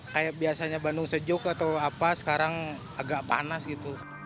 kayak biasanya bandung sejuk atau apa sekarang agak panas gitu